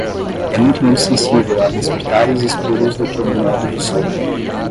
É muito menos sensível a despertares espúrios do que o modo de sono.